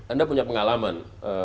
anda punya pengalaman